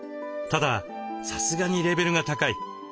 たださすがにレベルが高い。